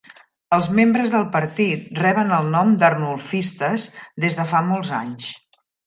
Els membres del partit reben el nom d'"Arnulfistas" des de fa molts anys.